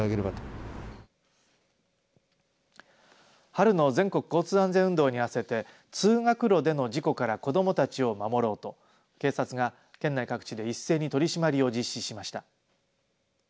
春の全国交通安全運動に合わせて通学路での事故から子どもたちを守ろうと警察が県内各地で一斉に取締りを実施しました。